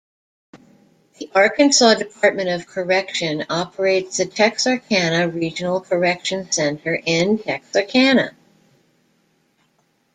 The Arkansas Department of Correction operates the Texarkana Regional Correction Center in Texarkana.